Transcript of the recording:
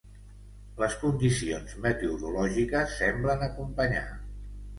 Les condicions meteorològiques semblen acompanyar.